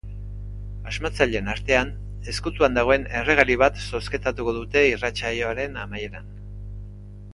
Asmatzaileen artean ezkutuan dagoen erregali bat zozketatuko dute irratsaioaren amaieran.